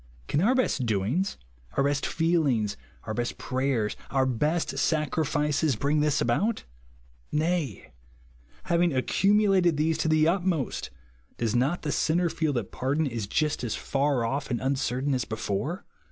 Can our best doings, our best feel ings, our best prayers, our best sacrifices, bring this about ? Nay ; having accumu lated these to the utmost, does net the Kinner idel that pardon is just as far off KO GROUND OP TEACK 17 and uncertain as before